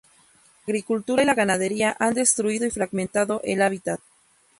La agricultura y la ganadería han destruido y fragmentado el hábitat.